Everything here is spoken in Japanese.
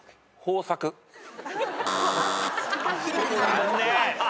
残念。